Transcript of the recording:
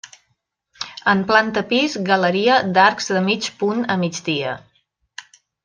En planta pis, galeria d'arcs de mig punt a migdia.